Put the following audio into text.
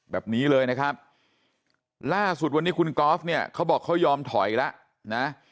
แบบนี้เลยนะครับล่าสุดวันนี้คุณกอล์ฟเนี่ยเขาบอกเขายอมถอยแล้วนะ